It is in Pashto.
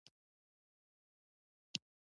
د حق په لاره کې ثابت قدم پاتې شئ.